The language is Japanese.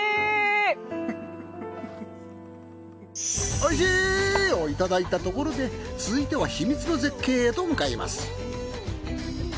おいしい！をいただいたところで続いては秘密の絶景へと向かいます。